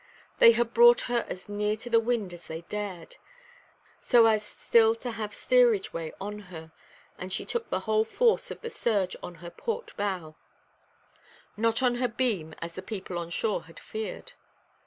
They had brought her as near to the wind as they dared, so as still to have steerage way on her, and she took the whole force of the surge on her port bow, not on her beam, as the people on shore had feared.